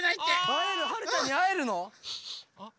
あえるはるちゃんにあえるの？